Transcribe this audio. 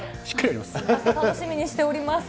楽しみにしております。